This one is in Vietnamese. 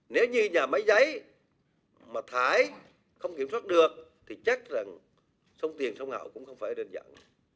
nếu như nhà máy giấy mà thái không kiểm soát được thì chắc rằng sống tiền sống hậu cũng không phải đơn giản